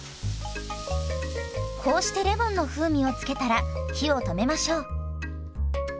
こうしてレモンの風味を付けたら火を止めましょう。